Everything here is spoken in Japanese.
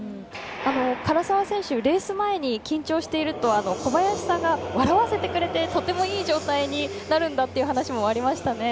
唐澤選手レース前に緊張していると小林さんが笑わせてくれてとてもいい状態になるんだと話していましたね。